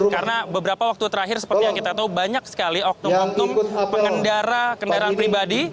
karena beberapa waktu terakhir seperti yang kita tahu banyak sekali oknum oknum pengendara kendaraan pribadi